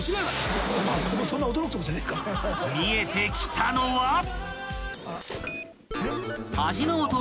［見えてきたのは］